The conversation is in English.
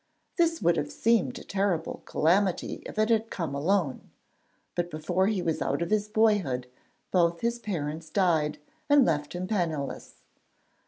This would have seemed a terrible calamity if it had come alone, but before he was out of his boyhood both his parents died, and left him penniless.